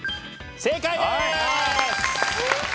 正解です！